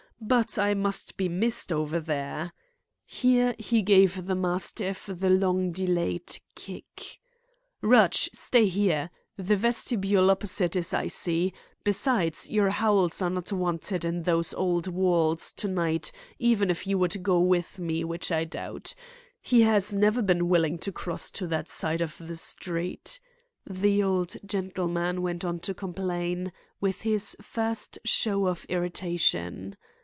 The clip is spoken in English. But I must be missed over there." Here he gave the mastiff the long delayed kick. "Rudge, stay here! The vestibule opposite is icy. Besides, your howls are not wanted in those old walls tonight even if you would go with me, which I doubt. He has never been willing to cross to that side of the street," the old gentleman went on to complain, with his first show of irritation.